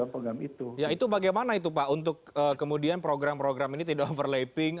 program itu ya itu bagaimana itu pak untuk kemudian program program ini tidak overlapping